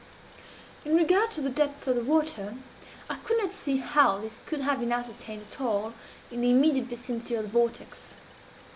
In regard to the depth of the water, I could not see how this could have been ascertained at all in the immediate vicinity of the vortex.